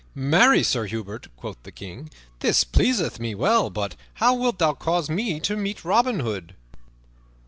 "Marry, Sir Hubert," quoth the King, "this pleaseth me well. But how wilt thou cause me to meet Robin Hood?"